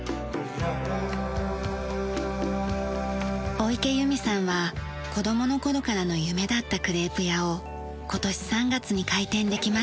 尾池優美さんは子供の頃からの夢だったクレープ屋を今年３月に開店できました。